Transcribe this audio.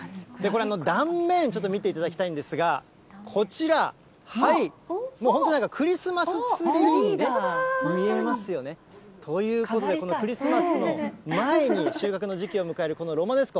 断面、ちょっと見ていただきたいんですが、こちら、はい、もう本当なんかクリスマスツリーに見えますよね。ということで、このクリスマスの前に収穫の時期を迎える、このロマネスコ。